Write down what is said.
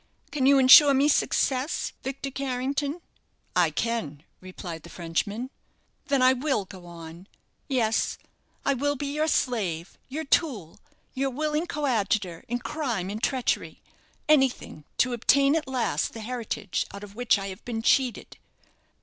Can you ensure me success, Victor Carrington?" "I can," replied the Frenchman. "Then I will go on. Yes; I will be your slave, your tool, your willing coadjutor in crime and treachery; anything to obtain at last the heritage out of which I have been cheated."